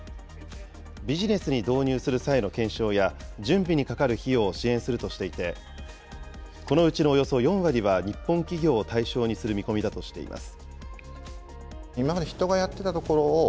ビジネスに導入する際の検証や、準備にかかる費用を支援するとしていて、このうちのおよそ４割は日本企業を対象にする見込みだとしています。